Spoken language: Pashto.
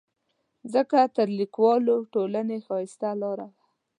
ځکه تر لیکوالو ټولنې ښایسته لاره وه.